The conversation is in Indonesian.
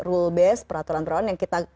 rule base peraturan peraturan yang kita